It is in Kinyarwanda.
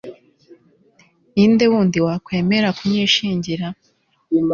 ni nde wundi wakwemera kunyishingira